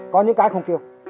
có những cái không kêu